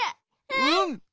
うん！